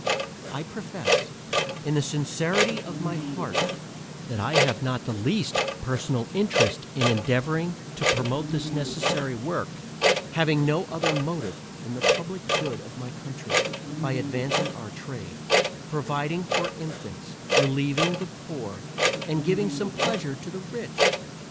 I profess in the sincerity of my heart, that I have not the least personal interest in endeavouring to promote this necessary work, having no other motive than the publick good of my country, by advancing our trade, providing for infants, relieving the poor, and giving some pleasure to the rich.